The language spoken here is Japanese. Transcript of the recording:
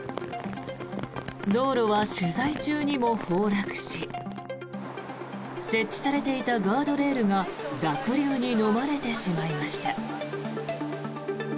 道路は取材中にも崩落し設置されていたガードレールが濁流にのまれてしまいました。